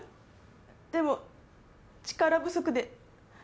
でも力不足で。